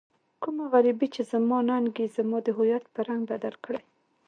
کومه غريبي چې زما ننګ يې زما د هويت په رنګ بدل کړی.